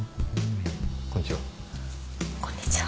こんちは。